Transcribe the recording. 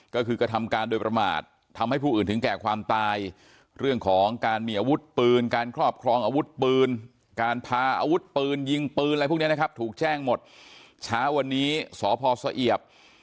ก็คือกระทำการโดยประมาททำให้ผู้อื่นถึงแก่ความตาย